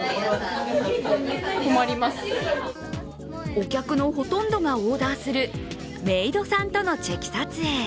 お客のほとんどがオーダーするメイドさんとのチェキ撮影。